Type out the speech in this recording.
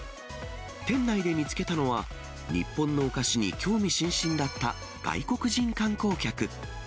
店内で見つけたのは、日本のお菓子に興味津々だった外国人観光客。